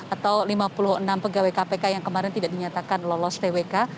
atau lima puluh enam pegawai kpk yang kemarin tidak dinyatakan lolos twk